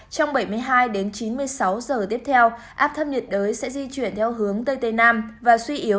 trong bảy mươi hai chín mươi sáu giờ tiếp theo áp thấp nhiệt đới sẽ di chuyển theo hướng tây tây nam và suy yếu